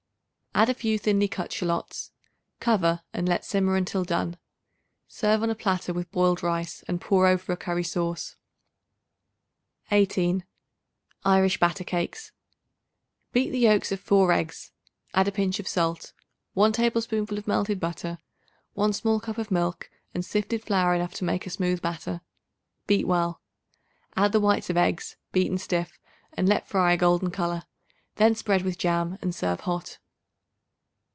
Add a few thinly cut shallots. Cover and let simmer until done. Serve on a platter with boiled rice and pour over a curry sauce. 18. Irish Batter Cakes. Beat the yolks of 4 eggs; add a pinch of salt, 1 tablespoonful of melted butter, 1 small cup of milk and sifted flour enough to make a smooth batter. Beat well. Add the whites of eggs, beaten stiff and let fry a golden color; then spread with jam and serve hot.